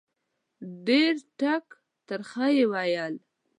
ډېر ټک ترخه یې وویل